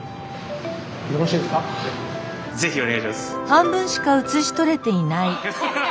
ぜひお願いします。